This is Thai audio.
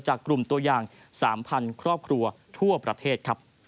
กลุ่มตัวอย่าง๓๐๐๐ครอบครัวทั่วประเทศครับ